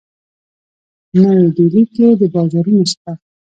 نوي ډیلي کي د بازارونو څخه